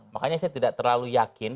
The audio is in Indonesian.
makanya saya tidak terlalu yakin